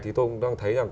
thì tôi cũng đang thấy rằng